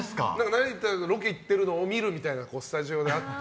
成田君がロケに行ってるのを見るみたいなのがスタジオであって。